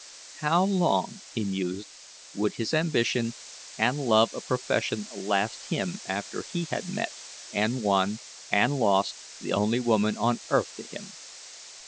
"How long," he mused, "would his ambition and love of profession last him after he had met, and won, and lost, the only woman on earth to him?